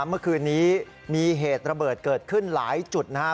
เมื่อคืนนี้มีเหตุระเบิดเกิดขึ้นหลายจุดนะครับ